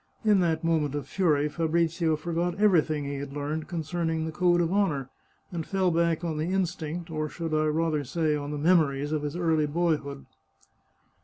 In that moment of fury Fabrizio forgot everything he had learned concerning the code of honour, and fell back on the instinct — or I should rather say on the memories — of his early boyhood.